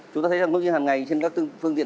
chúng ta thấy thông tin hàng ngày trên các phương tiện